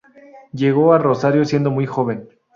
Llegó a Rosario siendo muy joven.